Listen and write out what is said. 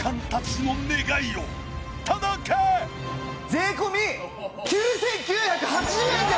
税込９９８０円で！